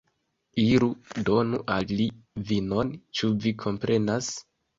Iru, donu al li vinon, ĉu vi komprenas?